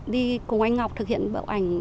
đi cùng anh ngọc thực hiện bộ ảnh